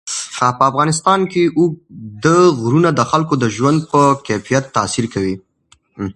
په افغانستان کې اوږده غرونه د خلکو د ژوند په کیفیت تاثیر کوي.